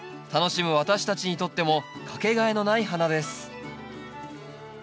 楽しむ私たちにとってもかけがえのない花です。